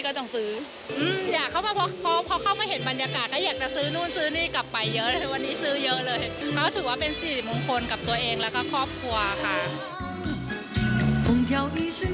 เขาถือว่าเป็นสิทธิมงคลกับตัวเองและก็ครอบครัวค่ะ